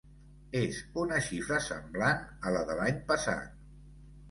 És una xifra semblant a la de l’any passat.